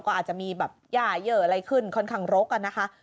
ก็อาจจะมีแบบย่าเยอะอะไรขึ้นค่อนข้างรกอะนะคะ